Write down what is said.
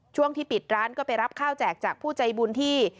ช่วงที่ปิดร้านก็ไปรับข้าวแจกจากผู้ใจบุญที่